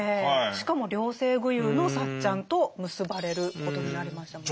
しかも両性具有のサッチャンと結ばれることになりましたもんね。